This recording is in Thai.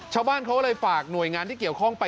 ชาวบ้านเขาเลยฝากหน่วยงานที่เกี่ยวข้องไป